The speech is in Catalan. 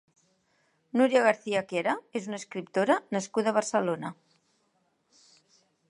Núria Garcia Quera és una escriptora nascuda a Barcelona.